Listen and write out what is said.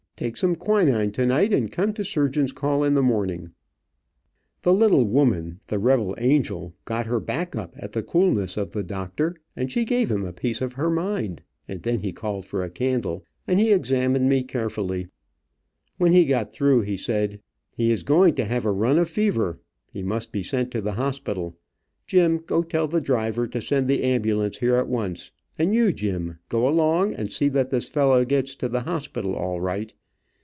"Take some quinine tonight, and come to surgeon's call in the morning." [Illustration: She gave him a piece of her mind 229] The little woman, the rebel angel, got her back up at the coolness of the doctor; and she gave him a piece of her mind, and then he called for a candle, and he examined me carefully. When he got through, he said: "He is going to have a run of fever. He must be sent to the hospital. Jim, go tell the driver to send the ambulance here at once, and you, Jim, go along and see that this fellow gets to the hospital all right.